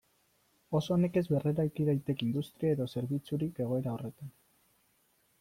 Oso nekez berreraiki daiteke industria edo zerbitzurik egoera horretan.